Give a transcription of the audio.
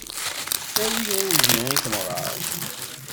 Awi udi i temɣart.